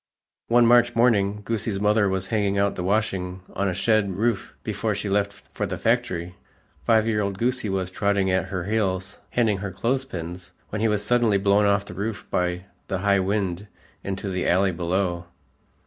One March morning, Goosie's mother was hanging out the washing on a shed roof before she left for the factory. Five year old Goosie was trotting at her heels handing her clothes pins, when he was suddenly blown off the roof by the high wind into the alley below.